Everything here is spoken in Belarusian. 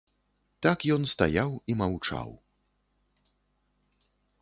Так ён стаяў і маўчаў.